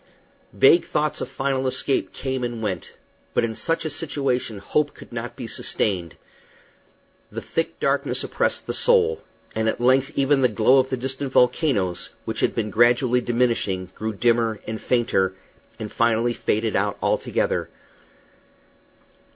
Vague thoughts of final escape came and went; but in such a situation hope could not be sustained. The thick darkness oppressed the soul; and at length even the glow of the distant volcanoes, which had been gradually diminishing, grew dimmer and fainter, and finally faded out altogether.